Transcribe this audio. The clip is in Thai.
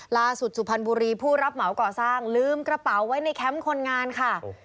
สุพรรณบุรีผู้รับเหมาก่อสร้างลืมกระเป๋าไว้ในแคมป์คนงานค่ะ